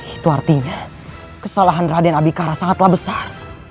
itu artinya kesalahan raden abikara sangatlah besar